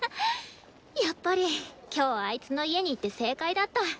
やっぱり今日あいつの家に行って正解だった。